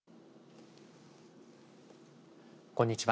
こんにちは。